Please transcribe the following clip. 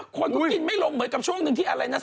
คนก็กินไม่ลงเหมือนกับช่วงหนึ่งที่อะไรนะ